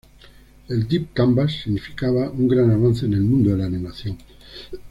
El Deep Canvas significaba un gran avance en el mundo de la animación.